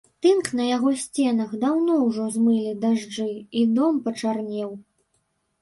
Тынк на яго сценах даўно ўжо змылі дажджы, і дом пачарнеў.